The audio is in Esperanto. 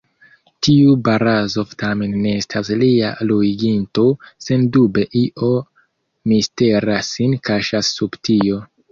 Tiu Barazof tamen ne estas lia luiginto, sendube io mistera sin kaŝas sub tio.